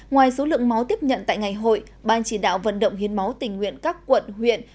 ngoài số lượng máu tiếp nhận tại ngày hội ban chỉ đạo vận động hiến máu tình nguyện các quận huyện